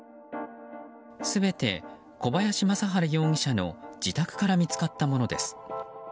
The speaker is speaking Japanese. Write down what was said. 全て小林昌晴容疑者の自宅から見つかったものです。